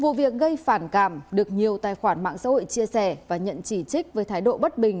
vụ việc gây phản cảm được nhiều tài khoản mạng xã hội chia sẻ và nhận chỉ trích với thái độ bất bình